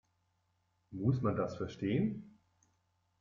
Muss man das verstehen?